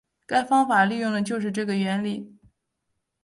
该方法利用的就是这个原理。